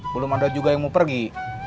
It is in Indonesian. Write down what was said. belum ada juga yang mau pergi